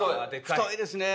太いですね。